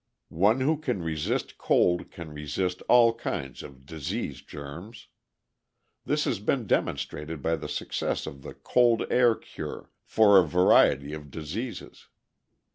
One who can resist cold can resist all kinds of disease germs. This has been demonstrated by the success of the 'cold air cure' for a variety of diseases.